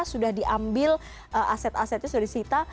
sudah diambil aset asetnya sudah disita